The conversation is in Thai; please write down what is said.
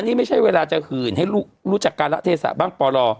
นี่ไม่ใช่เวลาจะหื่นให้รู้จักการะเทศะบ้างปล